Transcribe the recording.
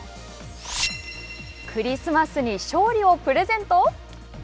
クリスマスに勝利をプレゼント？